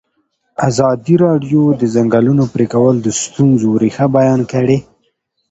ازادي راډیو د د ځنګلونو پرېکول د ستونزو رېښه بیان کړې.